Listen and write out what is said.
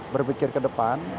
berpikir ke depan